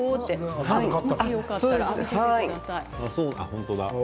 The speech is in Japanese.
本当だ。